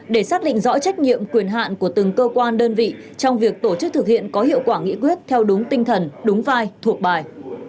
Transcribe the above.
để xác định rõ trách nhiệm quyền hạn của từng cơ quan đơn vị trong việc tổ chức thực hiện có hiệu quả nghị quyết theo đúng tinh thần đúng vai thuộc bài